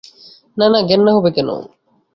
না না, ঘেন্না হবে কেন?